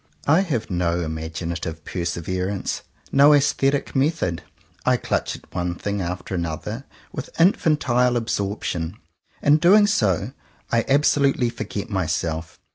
I have no imaginative perseverance, no aesthetic method. I clutch at one thing after another with infantile absorption. In doing so I absolutely forget myself.